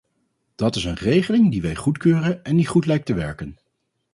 Dat is een regeling die wij goedkeuren en die goed lijkt te werken.